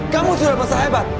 kamu sudah masa hebat